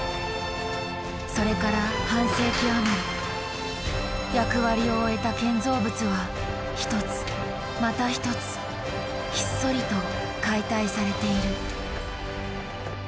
それから半世紀余り役割を終えた建造物は一つまた一つひっそりと解体されている。